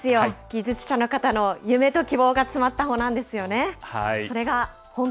技術者の方の夢と希望が詰まった帆なんですよね。